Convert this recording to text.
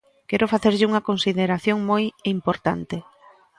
Quero facerlle unha consideración moi importante.